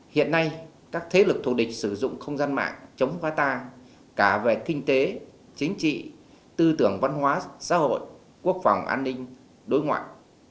hiện nay các thế lực thù địch sử dụng không gian mạng chống phá ta cả về kinh tế chính trị tư tưởng văn hóa xã hội quốc phòng an ninh đối ngoại